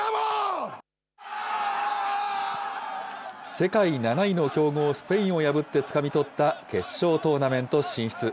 世界７位の強豪スペインを破ってつかみ取った決勝トーナメント進出。